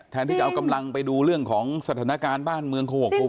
แทนพี่เจ้ากำลังไปดูเรื่องของสถานการณ์บ้านเมืองโควิด